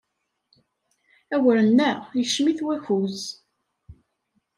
Awren-a ikcem-it wakuz.